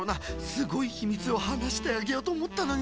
すごいひみつをはなしてあげようとおもったのにさ。